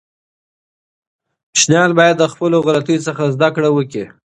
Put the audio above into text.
ماشومان باید د خپلو غلطیو څخه زده کړه وکړي.